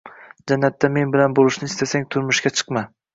Jannatda men bilan boʻlishni istasang turmushga chiqma!